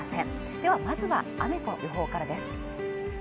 ではまずは雨の予報からです。